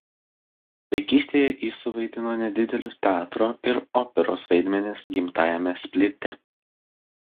Vaikystėje ji suvaidino nedidelius teatro ir operos vaidmenis gimtajame Splite.